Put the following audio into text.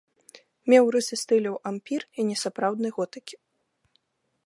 Меў рысы стыляў ампір і несапраўднай готыкі.